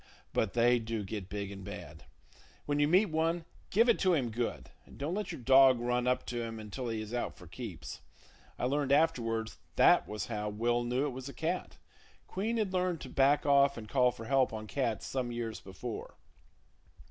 but they do get big and bad. When you meet one, give it to him good, and don't let your dog run up to him until he is out for keeps. I learned afterwards that was how Will knew it was a cat. Queen had learned to back off and call for help on cats some years before.